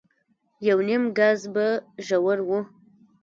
يونيم ګز به ژور و.